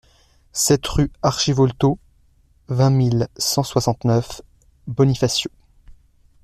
sept rue Archivolto, vingt mille cent soixante-neuf Bonifacio